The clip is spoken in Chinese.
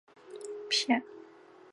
墨西哥航空公司。